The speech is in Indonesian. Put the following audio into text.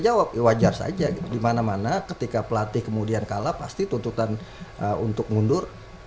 jawab wajar saja dimana mana ketika pelatih kemudian kalah pasti tuntutan untuk mundur